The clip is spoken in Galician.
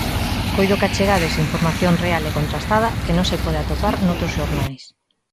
Coido que achegades información real e contrastada que non se pode atopar noutros xornais.